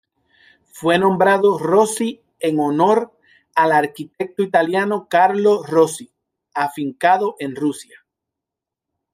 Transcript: Fue nombrado Rossi en honor al arquitecto italiano Carlo Rossi afincado en Rusia.